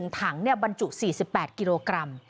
ถังบรรจุ๔๘กิโลกรัม